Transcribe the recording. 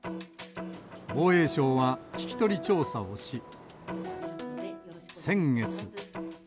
防衛省は聞き取り調査をし、先月。